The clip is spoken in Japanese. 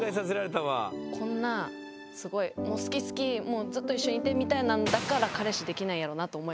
こんなすごいもう好き好きもうずっと一緒にいてみたいなんだから彼氏できないんやろなと思いました。